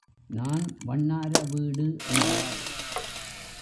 நான் வண்ணார வீடு என்றாள்.